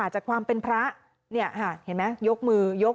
พูดสิทธิ์ข่าวบอกว่าพระต่อว่าชาวบ้านที่มายืนล้อมอยู่แบบนี้ค่ะ